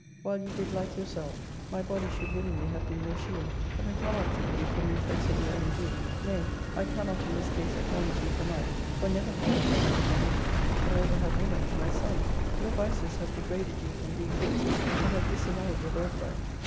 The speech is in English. While you did like yourselves, my body should willingly have been your shield, but I cannot keep you from the effects of your own doing ; nay, I cannot in this case • acknowledge you for mine, for never had I shepherd to my nephew, nor ever had woman to my son. Your vices have degraded you from being princes, and have disannulled your birthright.